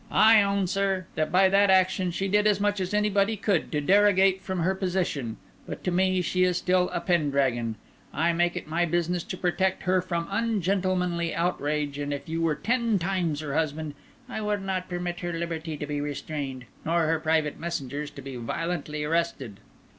I own, sir, that by that action she did as much as anybody could to derogate from her position; but to me she is still a Pendragon. I make it my business to protect her from ungentlemanly outrage, and if you were ten times her husband I would not permit her liberty to be restrained, nor her private messengers to be violently arrested."